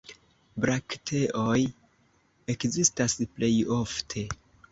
Brakteoj ekzistas plej ofte.